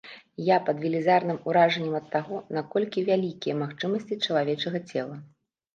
Я пад велізарным уражаннем ад таго, наколькі вялікія магчымасці чалавечага цела.